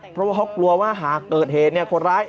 เพราะเค้ากลัวว่าหากเกิดเหตุเค้านิวปราคีครับ